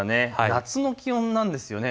夏の気温なんですよね。